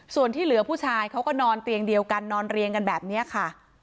ส่วนที่เหลือผู้ชายเขาก็นอนเตียงเดียวกันนอนเรียงกันแบบนี้ค่ะ